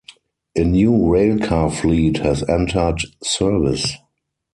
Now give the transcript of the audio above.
A new railcar fleet has entered service.